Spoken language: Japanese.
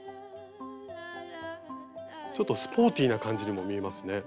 ちょっとスポーティーな感じにも見えますね。